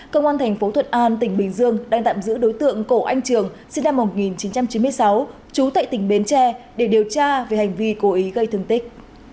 công an thành phố thuận an tỉnh bình dương đang tạm giữ đối tượng cổ anh trường sinh năm một nghìn chín trăm chín mươi sáu trú tại tỉnh bến tre để điều tra về hành vi cố ý gây thương tích